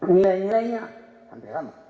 nilainya sampai lama